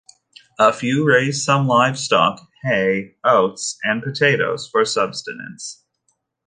A few raised some livestock, hay, oats, and potatoes for subsistence.